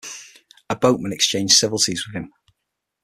A boatman exchanged civilities with him.